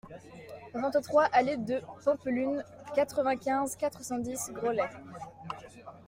vingt-trois allée de Pampelune, quatre-vingt-quinze, quatre cent dix, Groslay